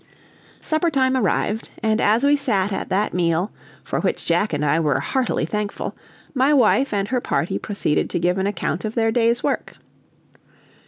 Suppertime arrived, and as we sat at that meal, for which Jack and I were heartily thankful, my wife and her party proceeded to give an account of their day's work.